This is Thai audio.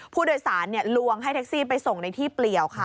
ผู้โดยสารลวงให้แท็กซี่ไปส่งในที่เปลี่ยวค่ะ